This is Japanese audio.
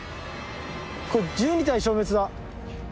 これ１２体消滅だ。